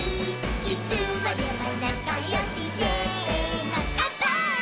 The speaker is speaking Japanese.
「いつまでもなかよしせーのかんぱーい！！」